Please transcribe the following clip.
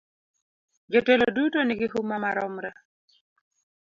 Jotelo duto nigi huma maromre.